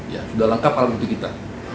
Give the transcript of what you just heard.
ya sudah lengkap alat bukti kita